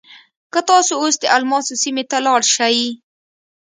که تاسو اوس د الماسو سیمې ته لاړ شئ.